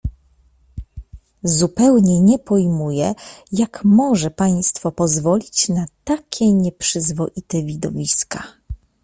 "Zupełnie nie pojmuję, jak może państwo pozwolić na takie nieprzyzwoite widowiska?"